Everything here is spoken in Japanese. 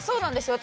私。